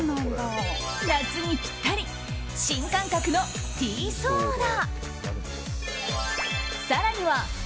夏にぴったり新感覚のティーソーダ。